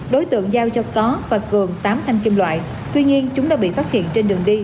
đối tượng giao cho có và cường tám thanh kim loại tuy nhiên chúng đã bị phát hiện trên đường đi